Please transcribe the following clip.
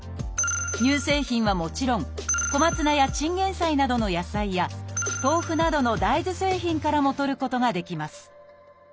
乳製品はもちろんコマツナやチンゲンサイなどの野菜や豆腐などの大豆製品からもとることができます